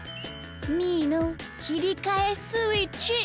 みーのきりかえスイッチ！